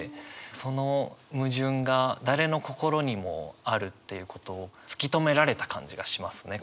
その矛盾が誰の心にもあるっていうことを突き止められた感じがしますね。